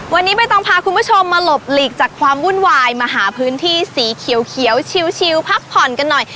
วันนี้ใบตองพาคุณผู้ชมมาหลบหลีกจากความวุ่นวายมาหาพื้นที่สีเขียวชิวพักผ่อนกันหน่อย